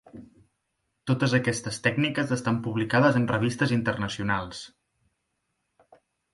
Totes aquestes tècniques estan publicades en revistes internacionals.